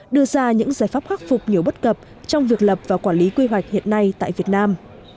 đưa ra những giải pháp khắc phục nhiều bất cập trong việc lập và quản lý quy hoạch hiện nay tại việt nam